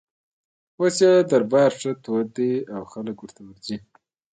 اوس یې دربار ښه تود دی او خلک ورته ورځي.